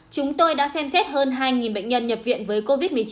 chúng tôi đã xem xét hơn hai bệnh nhân nhập viện với covid một mươi chín